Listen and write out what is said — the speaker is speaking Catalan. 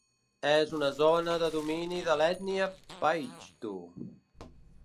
És una zona de domini de l'ètnia paixtu.